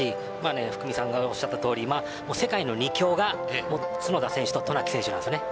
福見さんがおっしゃったとおり世界の２強が角田選手と渡名喜選手です。